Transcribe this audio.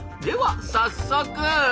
では早速。